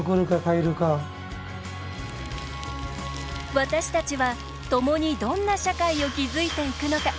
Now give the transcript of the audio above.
私たちは、ともにどんな社会を築いていくのか。